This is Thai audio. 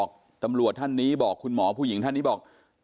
การทำให้มันตามกฎหมายจะพูดมาก